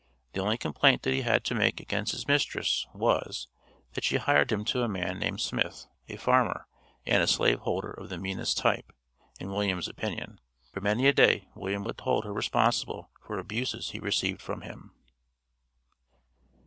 The only complaint that he had to make against his mistress was, that she hired him to a man named Smith, a farmer, and a slave holder of the meanest type, in William's opinion. For many a day William will hold her responsible for abuses he received from him.